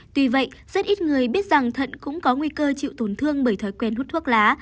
tuy vậy rất ít người biết rằng thận cũng có nguy cơ chịu tổn thương bởi thói quen hút thuốc lá